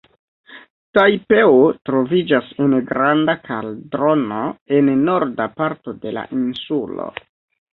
Tajpeo troviĝas en granda kaldrono en norda parto de la insulo.